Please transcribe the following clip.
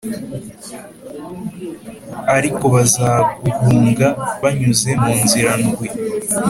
ariko bazaguhunga banyuze mu nzira ndwi+